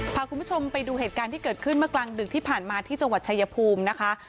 พาคุณผู้ชมไปดูเหตุการณ์ที่เกิดขึ้นเมื่อกลางดึกที่ผ่านมาที่จังหวัดชายภูมินะคะ